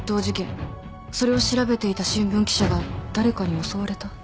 それを調べていた新聞記者が誰かに襲われた。